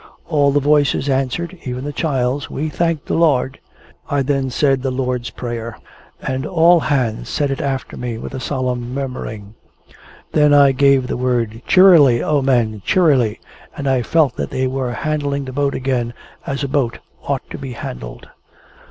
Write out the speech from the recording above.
All the voices answered (even the child's), "We thank the Lord!" I then said the Lord's Prayer, and all hands said it after me with a solemn murmuring. Then I gave the word "Cheerily, O men, Cheerily!" and I felt that they were handling the boat again as a boat ought to be handled.